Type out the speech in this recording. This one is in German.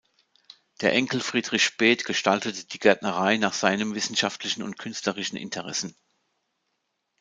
Der Enkel Friedrich Späth gestaltete die Gärtnerei nach seinen wissenschaftlichen und künstlerischen Interessen.